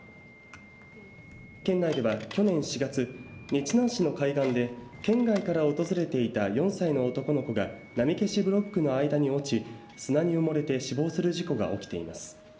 県内では去年４月日南市の海岸で県外から訪れていた４歳の男の子が波消しブロックの間に落ち砂に埋もれて死亡する事故が起きています。